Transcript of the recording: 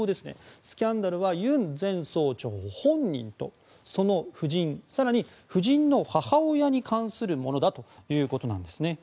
スキャンダルはユン前総長本人とその夫人更に夫人の母親に関するものだということなんですね。